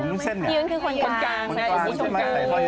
คุณวุ้นเซ่นกลางนะ